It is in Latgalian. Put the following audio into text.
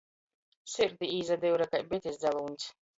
Sirdī īsadyure kai bitis dzalūņs.